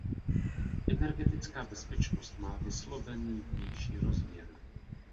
Energetická bezpečnost má vyslovený vnější rozměr.